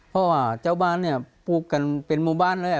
เพราะว่าเจ้าบ้านเนี่ยปลูกกันเป็นหมู่บ้านเลย